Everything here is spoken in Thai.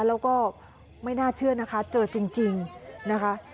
แล้วก็ไม่น่าเชื่อนะคะเจอจริงนะคะ